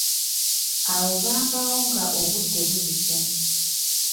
Awo baavaawo nga obudde buyise.